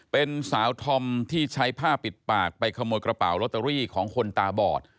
เป็นสาวธอมที่ใช้ผ้าปิดปากไปขโมยกระเป๋าลอตเตอรี่ของคนตาบอด